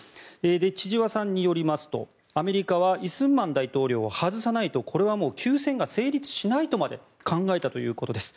千々和さんによりますとアメリカは李承晩大統領を外さないとこれは休戦が成立しないとまで考えたということです。